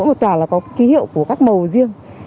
thì mỗi một tòa là có ký hiệu của các màu riêng